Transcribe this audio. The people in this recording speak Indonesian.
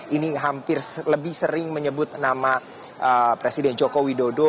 ini hampir lebih sering menyebut nama presiden jokowi dodo